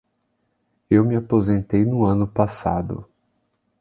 Eu me aposentei no ano passado.